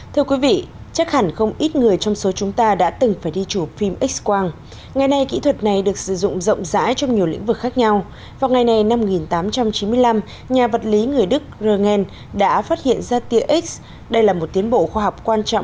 thưa quý vị chắc hẳn không ít người trong số chúng ta đã từng phải đi chụp phim x quang